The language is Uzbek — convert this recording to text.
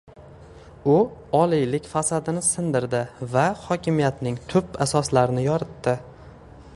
u “oliylik” fasadini sindirdi va hokimiyatning “tub” asoslarini yoritdi